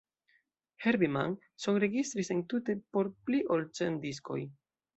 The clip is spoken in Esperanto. Herbie Mann sonregistris entute por pli ol cent diskoj.